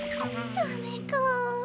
ダメか。